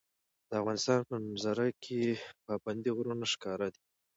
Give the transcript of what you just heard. د افغانستان په منظره کې پابندی غرونه ښکاره ده.